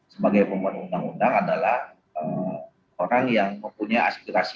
sebagai pembuat undang undang adalah orang yang mempunyai aspirasi